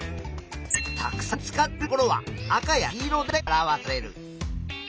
たくさん使っているところは赤や黄色で表される。